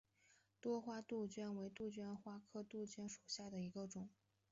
多花杜鹃为杜鹃花科杜鹃属下的一个种。